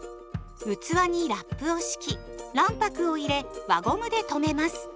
器にラップを敷き卵白を入れ輪ゴムで留めます。